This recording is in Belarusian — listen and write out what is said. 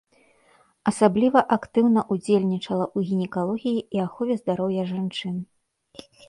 Асабліва актыўна ўдзельнічала ў гінекалогіі і ахове здароўя жанчын.